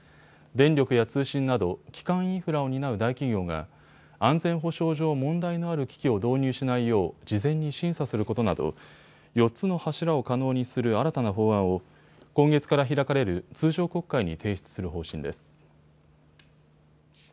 電力や通信など基幹インフラを担う大企業が安全保障上問題のある機器を導入しないよう事前に審査することなど４つの柱を可能にする新たな法案を今月から開かれる通常国会に提出する方針です。